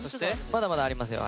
まだまだありますよ。